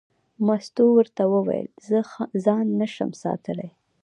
مستو ورته وویل: زه ځان نه شم ساتلی.